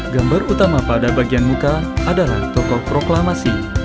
gambar utama pada bagian muka adalah tokoh proklamasi